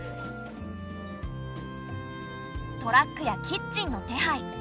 トラックやキッチンの手配